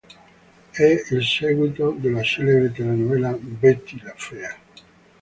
È il seguito della celebre telenovela "Betty la fea".